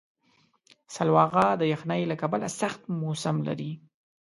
سلواغه د یخنۍ له کبله سخت موسم لري.